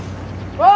ああ。